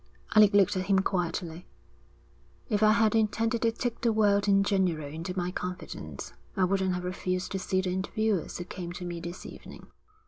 Alec looked at him quietly. 'If I had intended to take the world in general into my confidence, I wouldn't have refused to see the interviewers who came to me this evening.'